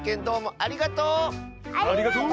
ありがとう！